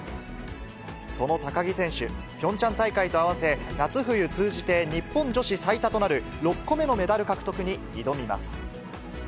その高木選手、ピョンチャン大会と合わせ、夏冬通じて日本女子最多となる、６個目のメダル獲得に挑みます。